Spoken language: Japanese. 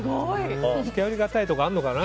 近寄りがたいとかあるのかな。